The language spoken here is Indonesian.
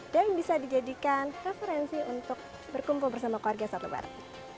dan bisa dijadikan referensi untuk berkumpul bersama keluarga sebarat